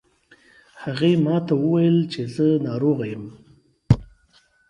هغې ما ته وویل چې زه ناروغه یم